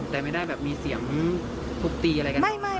แต่ไม่ได้แบบมีเสียงทุบตีอะไรกัน